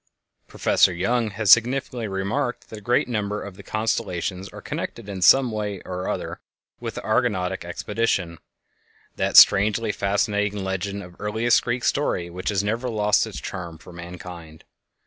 Professor Young has significantly remarked that a great number of the constellations are connected in some way or other with the Argonautic Expedition—that strangely fascinating legend of earliest Greek story which has never lost its charm for mankind.